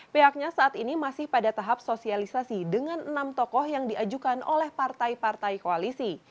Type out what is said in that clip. pihaknya saat ini masih pada tahap sosialisasi dengan enam tokoh yang diajukan oleh partai partai koalisi